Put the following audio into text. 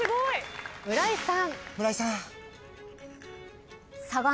村井さん。